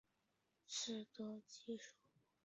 此等技术目前已应用于变频式冷气机等范畴。